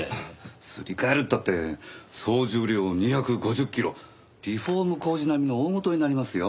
すり替えるったって総重量２５０キロリフォーム工事並みの大ごとになりますよ。